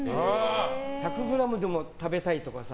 １００ｇでも食べたいとかさ。